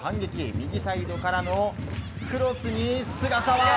右サイドからのクロスに菅澤。